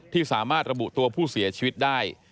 ที่สามารถระบุตัวผู้เสียชีวิตได้